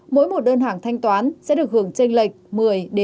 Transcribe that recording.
mỗi một đơn hàng thanh toán sẽ được hưởng tranh lệch một mươi đề